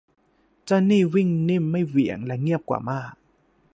เจ้านี่วิ่งนิ่มไม่เหวี่ยงและเงียบกว่ามาก